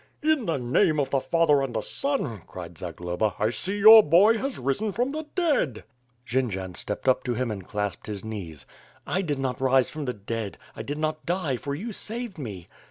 "In the name of the Father and the Son," cried Zagloba, "I see your boy has risen from the dead." Jendzian stepped up to him and clasped his knees. "I did not rise from the dead; I did not die, for you saved me.''